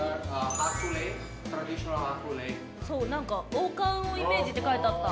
王冠をイメージって書いてあった。